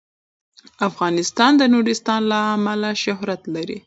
افغانستان د نورستان له امله شهرت لري.